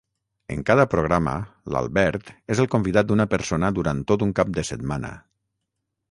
En cada programa l'Albert és el convidat d'una persona durant tot un cap de setmana.